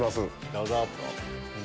どうぞ。